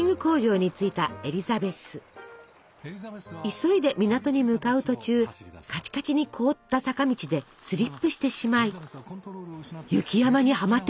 急いで港に向かう途中カチカチに凍った坂道でスリップしてしまい雪山にはまってしまいます。